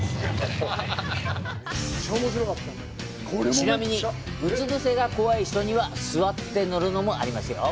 ちなみに、うつ伏せが怖い人には座って乗るものもあります。